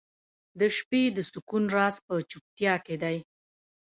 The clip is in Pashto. • د شپې د سکون راز په چوپتیا کې دی.